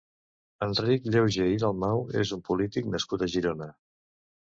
Enric Llauger i Dalmau és un polític nascut a Girona.